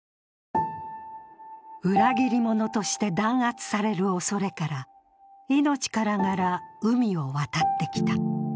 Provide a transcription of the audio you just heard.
裏切り者として弾圧されるおそれから命からがら海を渡ってきた。